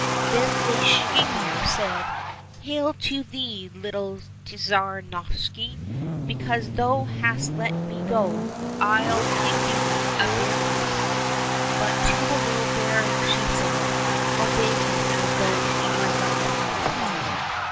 Then the she bear said, " Hail to thee, little Tsar Novishny ; because thou hast let me go, I'll give thee a bear cub." But to the little bear she said, " Obey him as though he were thine own father."